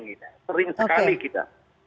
sering sekali kita